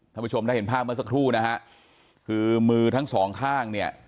ท่านผู้ชมได้เห็นภาพเมื่อสักครู่นะฮะคือมือทั้งสองข้างเนี่ย